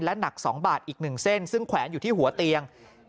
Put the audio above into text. หนัก๒บาทอีก๑เส้นซึ่งแขวนอยู่ที่หัวเตียง